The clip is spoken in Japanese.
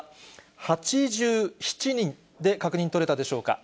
８７人で確認取れたでしょうか。